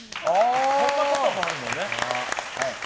そんなこともあるのね。